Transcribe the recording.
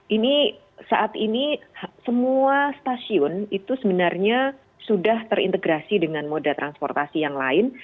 ini saat ini semua stasiun itu sebenarnya sudah terintegrasi dengan moda transportasi yang lain